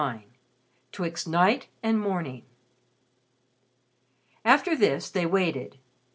XXIX 'TWIXT NIGHT AND MORNING After this, they waited.